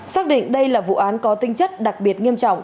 xác định đây là vụ án có tinh chất đặc biệt nghiêm trọng